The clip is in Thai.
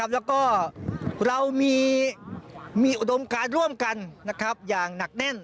แล้วก็เรามีอุดมการร่วมกันอย่างหนักแน่น